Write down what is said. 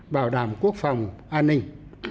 bảo đảm quốc phòng an ninh